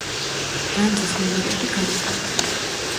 განძის მონეტები გაიფანტა.